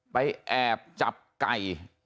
แอบจับไก่